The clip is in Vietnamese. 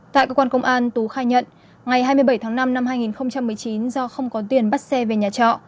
tại cơ quan công an tú khai nhận ngày hai mươi bảy tháng năm năm hai nghìn một mươi chín do không có tiền bắt xe về nhà trọ